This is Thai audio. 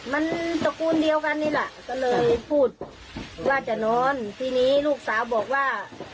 มันตระกูลเดียวกันนี่แหละก็เลยพูดว่าจะนอนทีนี้ลูกสาวบอกว่า